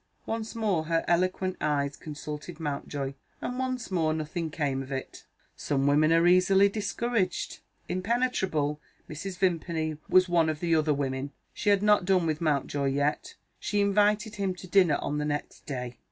Once more her eloquent eyes consulted Mountjoy, and once more nothing came of it. Some women are easily discouraged. Impenetrable Mrs. Vimpany was one of the other women; she had not done with Mountjoy yet she invited him to dinner on the next day.